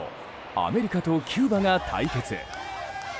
アメリカとキューバが対決。